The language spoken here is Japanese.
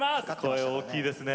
声大きいですね。